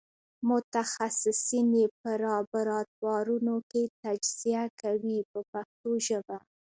متخصصین یې په لابراتوارونو کې تجزیه کوي په پښتو ژبه.